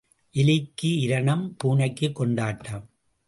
எலிக்கு இரணம் பூனைக்குக் கொண்டாட்டம்.